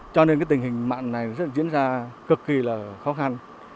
cho nên tình hình mặn này diễn ra cực kỳ là khó khăn